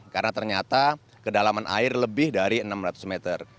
karena ternyata kedalaman air lebih dari enam ratus meter